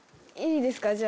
いいですか？